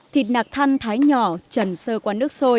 thịt nạc thăn thái nhỏ trần sơ qua nước sôi